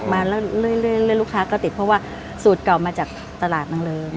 มาแล้วเรื่อยลูกค้าก็ติดเพราะว่าสูตรเก่ามาจากตลาดนางเริง